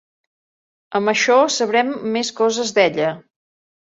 Amb això sabrem més coses d'ella.